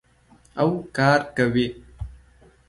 او کار کوي.